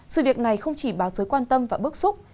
sự việc này không chỉ báo giới quan tâm và bức xúc